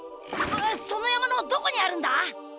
そのやまのどこにあるんだ？